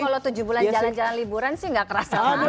kalau tujuh bulan jalan jalan liburan sih nggak kerasa banget